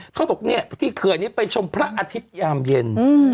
เขาบอกเนี่ยที่เขื่อนนี้ไปชมพระอาทิตยามเย็น